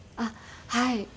はい。